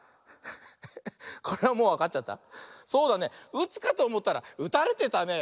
うつかとおもったらうたれてたね。